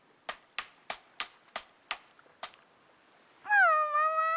ももも！